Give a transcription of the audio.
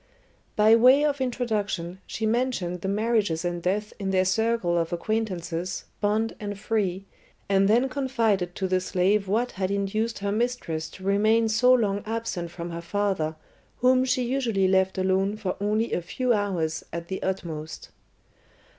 By way of introduction she mentioned the marriages and deaths in their circle of acquaintances, bond and free, and then confided to the slave what had induced her mistress to remain so long absent from her father, whom she usually left alone for only a few hours at the utmost.